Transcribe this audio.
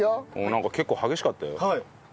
なんか結構激しかったよ。